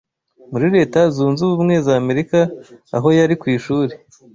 muri Leta Zunze Ubumwe z’Amerika aho yari ku ishuri